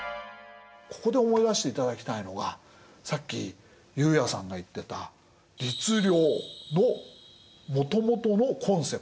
ここで思い出していただきたいのがさっき悠也さんが言ってた律令のもともとのコンセプト。